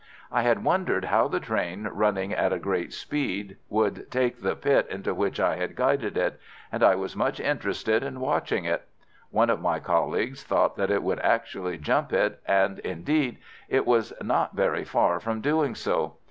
"I had wondered how the train running at a great speed would take the pit into which I had guided it, and I was much interested in watching it. One of my colleagues thought that it would actually jump it, and indeed it was not very far from doing so.